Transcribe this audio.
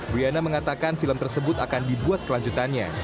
wiana mengatakan film tersebut akan dibuat kelanjutannya